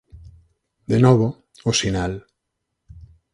De novo, o sinal.